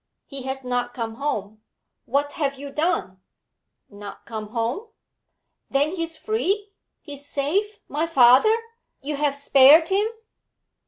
'He has not come home. What have you done?' 'Not come home?' 'Then he is free? He is safe my father? You have spared him?'